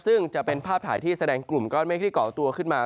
ซึ่งจะเป็นภาพถ่ายที่แสดงกลุ่มก้อนเมฆที่เกาะตัวขึ้นมา